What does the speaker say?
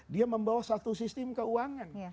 dia membawa satu sistem keuangan